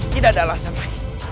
tidak ada alasan lain